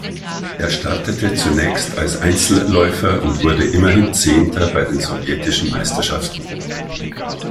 Er startete zunächst als Einzelläufer und wurde immerhin Zehnter bei den sowjetischen Meisterschaften.